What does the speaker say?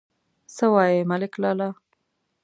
_څه وايي ملک لالا!